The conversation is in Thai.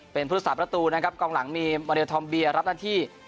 เป็นพุทธศาสตร์ประตูนะครับกองหลังมีรับหน้าที่